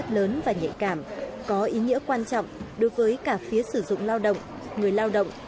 tất cả phía sử dụng lao động người lao động